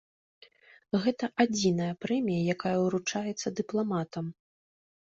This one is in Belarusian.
Гэта адзіная прэмія, якая ўручаецца дыпламатам.